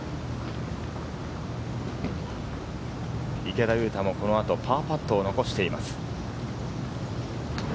池田勇太もこの後、パーパットを残しています。